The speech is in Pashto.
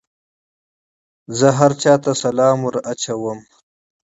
زه پر هر چا سلام وايم.